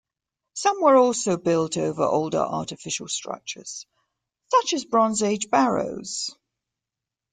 Some were also built over older artificial structures, such as Bronze Age barrows.